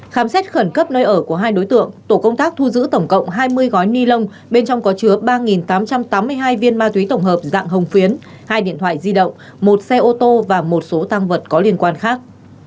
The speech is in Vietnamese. khám xét khẩn cấp nơi ở của hai đối tượng tổ công tác thu giữ tổng cộng hai mươi gói ni lông bên trong có chứa ba tám trăm tám mươi hai viên ma túy tổng hợp dạng hồng phiến hai điện thoại di động một xe ô tô và một số tăng vật có liên quan khác